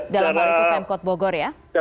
dalam hal itu pemkot bogor ya